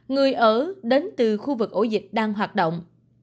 người ở đến từ khu vực ổ dịch đang hoạt động